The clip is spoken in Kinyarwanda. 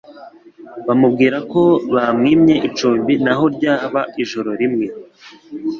bamubwira ko bamwimye icumbi naho ryaba ijoro rimwe.